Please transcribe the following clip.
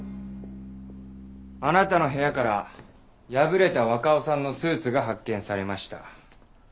あなたの部屋から破れた若尾さんのスーツが発見されました。